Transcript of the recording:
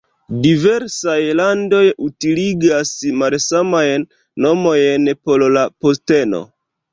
Diversaj landoj utiligas malsamajn nomojn por la posteno.